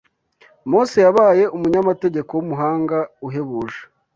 Mose yabaye umunyamategeko w’umuhanga uhebuje